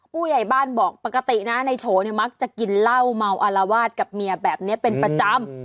ผู้ใหญ่บ้านบอกปกตินะในโฉเนี่ยมักจะกินเหล้าเมาอารวาสกับเมียแบบนี้เป็นประจำ